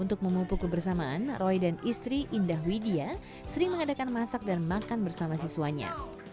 untuk memupuk kebersamaan roy dan istri indah widya sering mengadakan masak dan makan bersama siswanya